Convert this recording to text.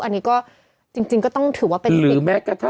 อันนี้ก็จริงก็ต้องถือว่าเป็นหนึ่งของผู้เสียหาย